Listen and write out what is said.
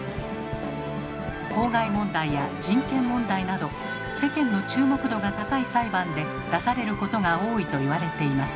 公害問題や人権問題など世間の注目度が高い裁判で出されることが多いと言われています。